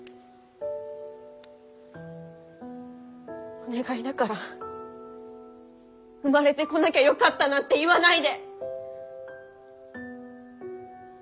お願いだから生まれてこなきゃよかったなんて言わないで。